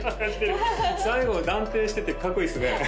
最後断定しててかっこいいっすね